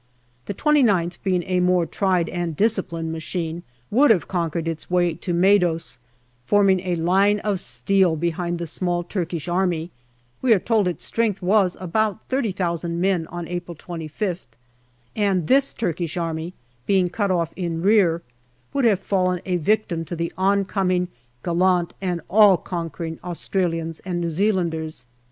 The 29th, being a more tried and disciplined machine, would have conquered its way to Maidos, forming a line of steel behind the small Turkish Army (we are told its strength was about 30,000 men on April 25th), and this Turkish Army, being cut off in rear, would have fallen a victim to the oncoming gallant and all conquering Australians and New Zealanders.